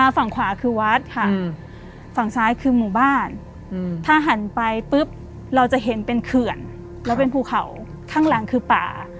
ฝั่งขวาคือวัดค่ะฝั่งซ้ายคือหมู่บ้านถ้าหันไปปุ๊บเราจะเห็นเป็นเขื่อนแล้วเป็นภูเขาข้างหลังคือป่า